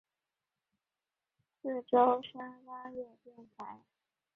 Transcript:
自由砂拉越电台。